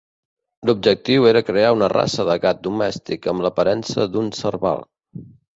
L'objectiu era crear una raça de gat domèstic amb l'aparença d'un Serval.